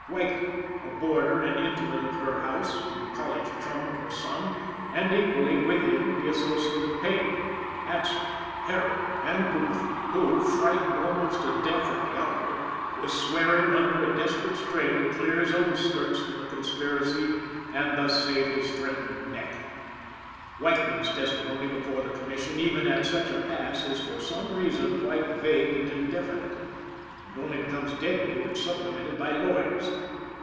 Weichman, a boarder and intimate in her house, the college chum of her son, and, equally with him, the associate of Payne, Atzerodt, Herold and Booth, who, frightened almost to death at the outlook, was swearing, under a desperate strain, to clear his own skirts from the conspiracy and thus save his threatened neck: Weichman's testimony before the Commission, even at such a pass, is for some reason quite vague and indefinite, and only becomes deadly when supplemented by Lloyd's.